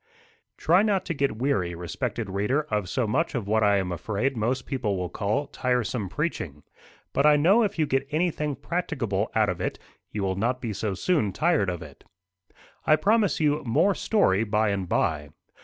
Try not to get weary, respected reader, of so much of what I am afraid most people will call tiresome preaching. But I know if you get anything practicable out of it, you will not be so soon tired of it. I promise you more story by and by.